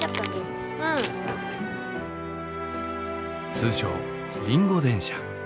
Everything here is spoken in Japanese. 通称リンゴ電車。